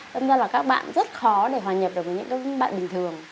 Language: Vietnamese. đâm ra là các bạn rất khó để hòa nhập được với những bạn bình thường